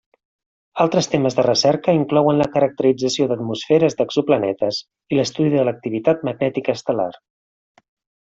Altres temes de recerca inclouen la caracterització d'atmosferes d'exoplanetes i l'estudi de l'activitat magnètica estel·lar.